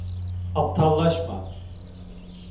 Aptallaşma.